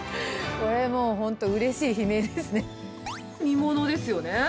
これ、もう、本当うれしい悲鳴ですね。